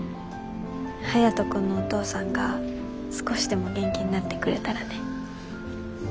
ハヤト君のお父さんが少しでも元気になってくれたらね。